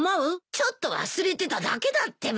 ちょっと忘れてただけだってば。